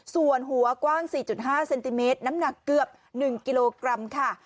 ส่วนหัวกว้าง๔๕เซนติเมตรน้ำหนักเกือบ๑กิโลกรัมค่ะ